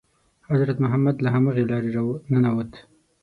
حضرت محمد له همغې لارې را ننووت.